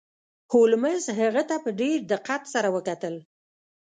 هولمز هغه ته په ډیر دقت سره وکتل.